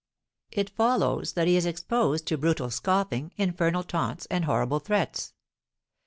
It follows that he is exposed to brutal scoffing, infernal taunts, and horrible threats.